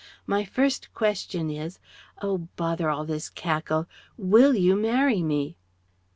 My first question is Oh! Bother all this cackle.... Will you marry me?"